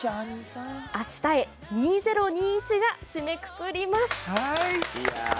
「明日へ２０２１」が締めくくります